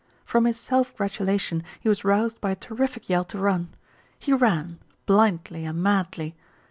From his self gratulation he was roused by a terrific yell to run. He ran, blindly and madly.